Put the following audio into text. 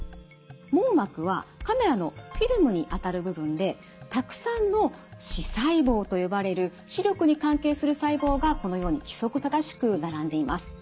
網膜はカメラのフィルムにあたる部分でたくさんの視細胞と呼ばれる視力に関係する細胞がこのように規則正しく並んでいます。